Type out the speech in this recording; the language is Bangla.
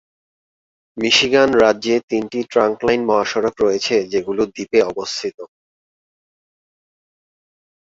মিশিগান রাজ্যে তিনটি ট্রাঙ্কলাইন মহাসড়ক রয়েছে যেগুলো দ্বীপে অবস্থিত।